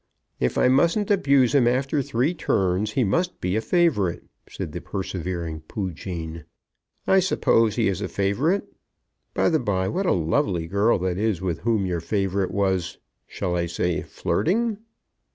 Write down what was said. "If I mustn't abuse him after three turns, he must be a favourite," said the persevering Poojean. "I suppose he is a favourite. By the bye, what a lovely girl that is with whom your favourite was, shall I say flirting?"